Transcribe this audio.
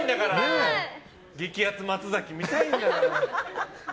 激アツ松崎見たいんだから。